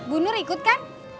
bu nur ikut kan